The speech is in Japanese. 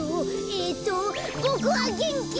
えっとボクはげんきです！